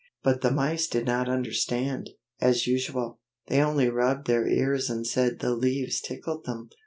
But the mice did not understand, as usual; they only rubbed their ears and said the leaves tickled them.